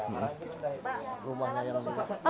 pak rumahnya ya